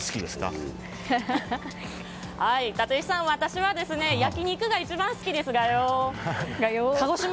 あい、立石さん、私は焼き肉が一番好きですがよ。